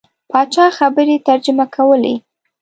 پاچا خبرې ترجمه کولې.